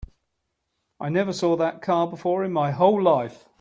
I never saw that car before in my whole life.